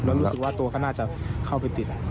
แล้วรู้สึกว่าตัวเขาน่าจะเข้าไปติด